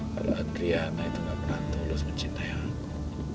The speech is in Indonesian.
kalau adriana itu gak pernah tulus mencintai aku